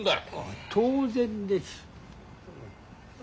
当然です。